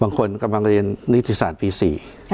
บางคนกำลังเรียนนิจภารณ์ปี๔